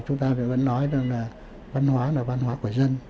chúng ta phải vẫn nói rằng là văn hóa là văn hóa của dân